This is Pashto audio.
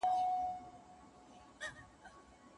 د ميرمنې سره نکاح کول کوم شی پر خاوند واجبوي؟